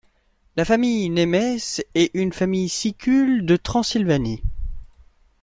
La famille Nemes est une famille sicule de Transylvanie.